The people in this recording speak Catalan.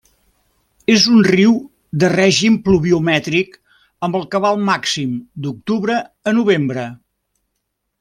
És un riu de Règim pluviomètric amb el cabal màxim d'octubre a novembre.